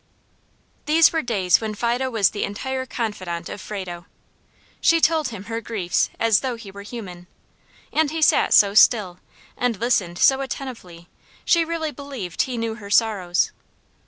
These were days when Fido was the entire confidant of Frado. She told him her griefs as though he were human; and he sat so still, and listened so attentively, she really believed he knew her sorrows.